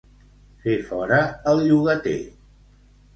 Fer fora el llogater.